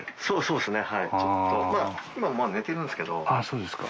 そうですか。